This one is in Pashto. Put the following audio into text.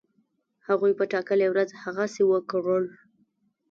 هغوی په ټاکلې ورځ هغسی وکړل.